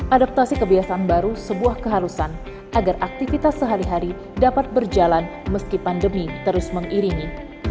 adaptasi kebiasaan baru sebuah keharusan agar aktivitas sehari hari dapat berjalan meski pandemi terus mengiringi